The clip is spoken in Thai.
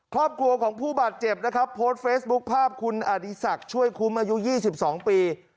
ครอบครัวของผู้บาดเจ็บนะครับโพสต์เฟซบุ๊คภาพคุณอดีศักดิ์ช่วยคุ้มอายุ๒๒ปี